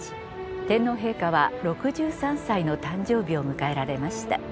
天皇陛下は６３歳の誕生日を迎えられました。